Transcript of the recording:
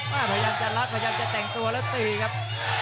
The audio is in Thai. พยายามจะลัดพยายามจะแต่งตัวแล้วตีครับ